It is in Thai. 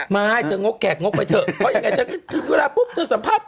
ไม่เธองกแกรกงกไปเถอะเฝ้ายังไงเธอก็พินเวลาปุ๊บเธอสัมภาษณ์ปุ๊บ